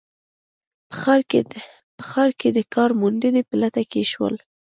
په ښار کې د کار موندنې په لټه کې شول